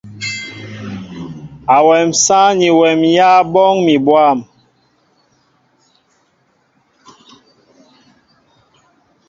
Awem sááŋ ni wem yááŋ ɓóoŋ mi bwăm.